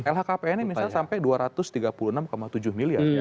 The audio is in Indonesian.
lhkpn ini misalnya sampai dua ratus tiga puluh enam tujuh miliar